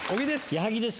矢作です。